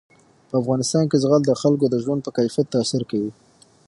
په افغانستان کې زغال د خلکو د ژوند په کیفیت تاثیر کوي.